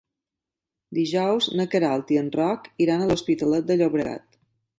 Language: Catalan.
Dijous na Queralt i en Roc iran a l'Hospitalet de Llobregat.